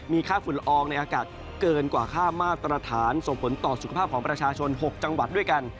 มีค่าฝุ่นละอองในอากาศเกินกว่าค่ามาตรฐานส่งผลต่อสุขภาพของประชาชน๖จังหวัดด้วยกัน